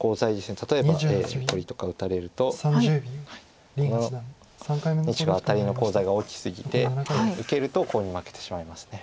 例えば取りとか打たれるとこの２子がアタリのコウ材が大きすぎて受けるとコウに負けてしまいます。